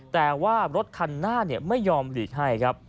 แต่ว่ารถคันหน้าไม่ยอมหลีกให้ครับ